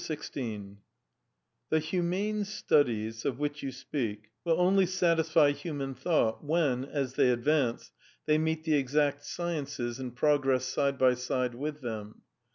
.. XVI "The 'humane studies' of which you speak will only satisfy human thought when, as they advance, they meet the exact sciences and progress side by side with them.